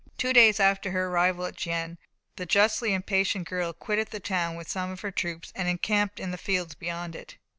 Two days after her arrival at Gien, the justly impatient girl quitted the town with some of her troops and encamped in the fields beyond it.